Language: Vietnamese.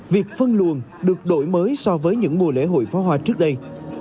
việc phân luồn được đổi mới so với những mùa lễ hội pháo hoa trước đây